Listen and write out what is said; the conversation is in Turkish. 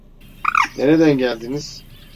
Nereden geldiniz?